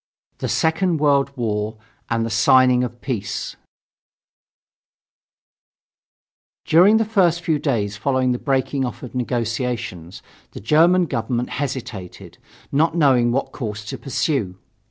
THE SECOND WAR AND THE SIGNING OF PEACE During the first few days following the breaking off of negotiations the German government hesitated, not knowing what course to pursue.